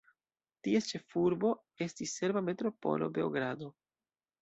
Ties ĉefurbo estis serba metropolo Beogrado.